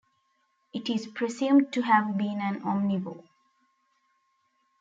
It is presumed to have been an omnivore.